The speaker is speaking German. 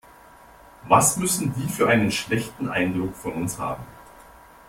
Was müssen die für einen schlechten Eindruck von uns haben.